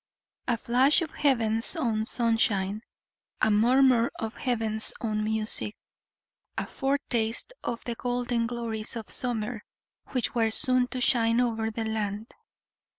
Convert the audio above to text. A flash of heaven's own sunshine, a murmur of heaven's own music, a foretaste of the golden glories of summer which were soon to shine over the land.